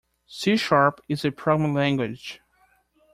C Sharp is a programming language.